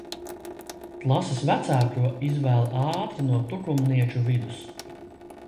Klases vecāko izvēl ātri no tukumnieču vidus.